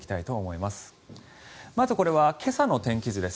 まずこれは今朝の天気図です。